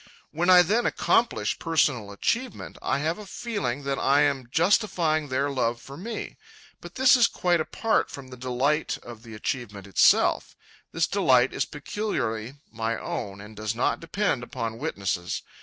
When I then accomplish personal achievement, I have a feeling that I am justifying their love for me. But this is quite apart from the delight of the achievement itself. This delight is peculiarly my own and does not depend upon witnesses.